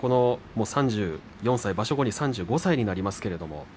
３４歳、場所後に３５歳になります。